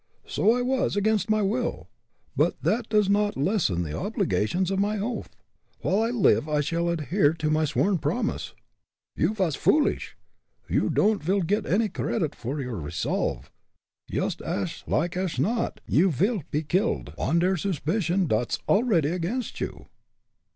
"So I was, against my will, but that does not lessen the obligations of my oath. While I live, I shall adhere to my sworn promise." "You vas foolish you don'd vil get any credit for your resolve. Yoost ash like ash not you will pe killed, on der suspicion dot's already against you."